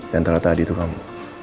dan ternyata adi itu kamu